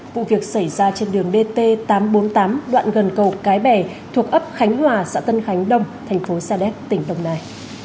vụ việc xảy ra trên đường dt tám trăm bốn mươi tám đoạn gần cầu cái bè thuộc ấp khánh hòa xã tân khánh đông thành phố sa đéc tỉnh đồng nai